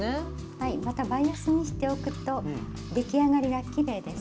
はいまたバイアスにしておくと出来上がりがきれいです。